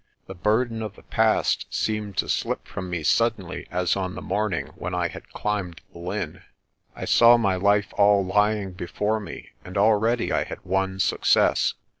The burden of the past seemed to slip from me suddenly as on the morning when I had climbed the linn. I saw my life all lying before me; and already I had won success.